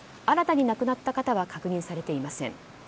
新たに亡くなった方は確認されていません。